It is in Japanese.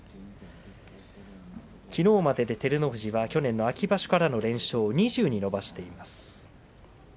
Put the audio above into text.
きのうまでで照ノ富士は去年の秋場所からの連勝を２０に伸ばしています。